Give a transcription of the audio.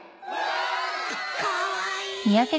かかわいい